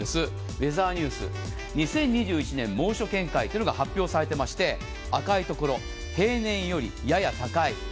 ウェザーニューズ２０２１年猛暑見解というのが発表されていまして赤いところ、平年よりやや高い。